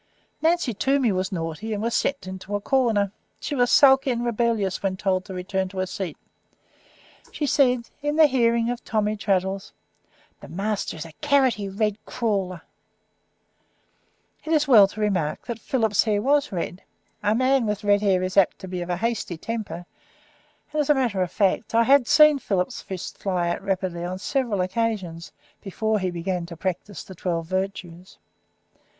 Nancy Toomey was naughty, and was sent into a corner. She was sulky and rebellious when told to return to her seat. She said, in the hearing of Tommy Traddles, "The master is a carroty headed crawler." It is as well to remark that Philip's hair was red; a man with red hair is apt to be of a hasty temper, and, as a matter of fact, I had seen Philip's fist fly out very rapidly on several occasions before he began to practise the twelve virtues.